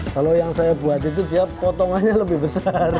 kalau yang saya buat itu dia potongannya lebih besar